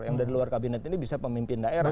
yang dari luar kabinet ini bisa pemimpin daerah